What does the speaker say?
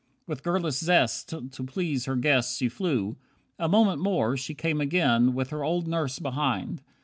With girlish zest To please her guest she flew. A moment more She came again, with her old nurse behind.